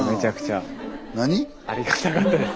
ありがたかったです。